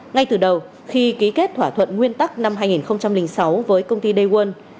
ngay từ đầu khi ký kết thỏa thuận nguyên tắc năm hai nghìn sáu với công ty day one